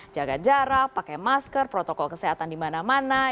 jaga jarak pakai masker protokol kesehatan di mana mana